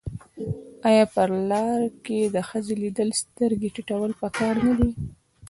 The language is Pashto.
آیا په لار کې د ښځې لیدل سترګې ټیټول پکار نه دي؟